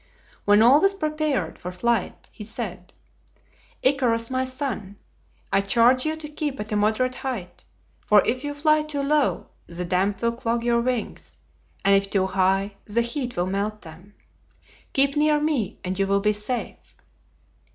When all was prepared for flight he said, "Icarus, my son, I charge you to keep at a moderate height, for if you fly too low the damp will clog your wings, and if too high the heat will melt them. Keep near me and you will be safe."